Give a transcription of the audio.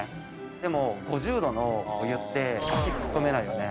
でも５０℃のお湯って足突っ込めないよね。